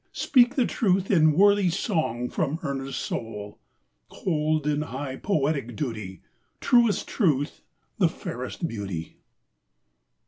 speak the truth in Worthy song from earnest soul ! Hold, in high poetic duty, Truest Truth the fairest Beauty!